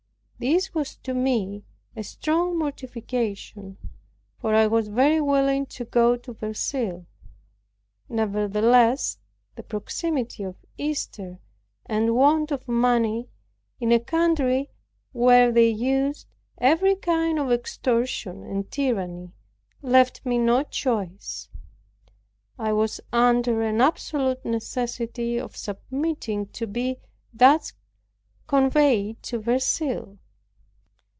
This was to me a strong mortification; for I was very willing to go to Verceil; nevertheless the proximity of Easter; and want of money, in a country where they used every kind of extortion and tyranny, left me no choice. I was under an absolute necessity of submitting to be thus conveyed to Verceil.